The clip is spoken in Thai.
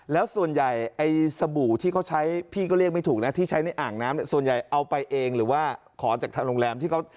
แล้วส่วนใหญ่ไอ้สบู่ที่เขาใช้พี่ก็เรียกไม่ถูกนะที่ใช้ในอ่างน้ำส่วนใหญ่เอาไปเองหรือว่าขอจากทางโรงแรมที่เขา